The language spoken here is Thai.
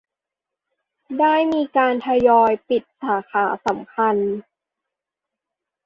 ได้มีการทยอยปิดสาขาสำคัญ